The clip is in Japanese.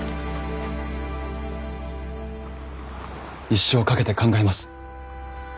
一生かけて考えます。